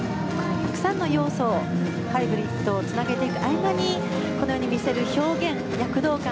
たくさんの要素ハイブリッドをつなげていく合間にこのように見せる表現、躍動感